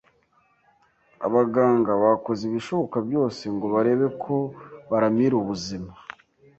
Abaganga bakoze ibishoboka byose ngo barebe ko baramira ubuzima